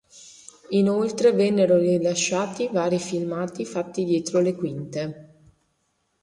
Inoltre, vennero rilasciati vari filmati fatti dietro le quinte.